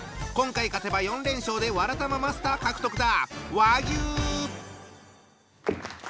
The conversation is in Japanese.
今回勝てば４連勝でわらたまマスター獲得だ。